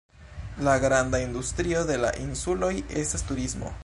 La granda industrio de la insuloj estas turismo.